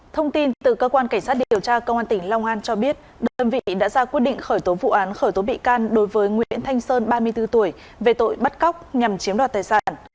thông tin từ cơ quan cảnh sát điều tra công an tỉnh long an cho biết đơn vị đã ra quyết định khởi tố vụ án khởi tố bị can đối với nguyễn thanh sơn ba mươi bốn tuổi về tội bắt cóc nhằm chiếm đoạt tài sản